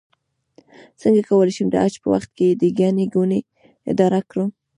څنګه کولی شم د حج په وخت کې د ګڼې ګوڼې اداره کړم